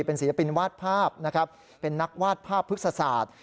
เป็นศิลปินวาดภาพนะครับเป็นนักวาดภาพพฤกษศาสตร์